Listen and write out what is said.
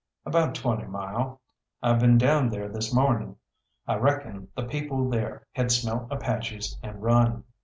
"About twenty mile. I've been down there this morning. I reckon the people there had smelt Apaches and run.